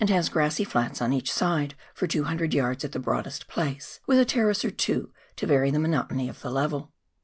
287 has grassy flats on each side for 200 yards at the broadest place, with a terrace or two to vary the monotony of the level.